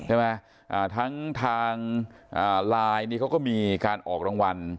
ใช่ไหมทั้งทางไลน์นี่เขาก็มีการออกรางวัล